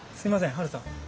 ハルさん。